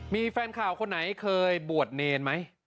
มีแฟนข่าวคนไหนเคยบวชเนรไหม